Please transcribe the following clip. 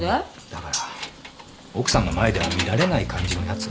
だから奥さんの前では見られない感じのやつ。